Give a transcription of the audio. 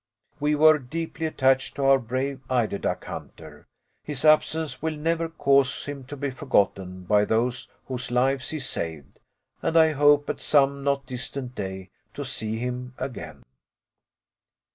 We were deeply attached to our brave eider duck hunter. His absence will never cause him to be forgotten by those whose lives he saved, and I hope, at some not distant day, to see him again.